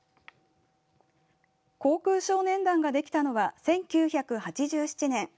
航空少年団ができたのは１９８７年。